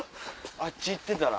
あっち行ってたら。